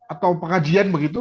atau pengajian begitu